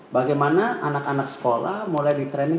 bagaimana anak anak sekolah mulai di training